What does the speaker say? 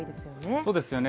そうですよね。